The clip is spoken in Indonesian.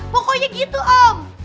pokoknya gitu om